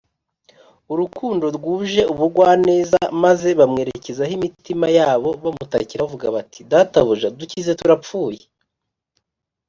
urukundo rwuje ubugwaneza, maze bamwerekezaho imitima yabo bamutakira bavuga bati: “databuja, dukize turapfuye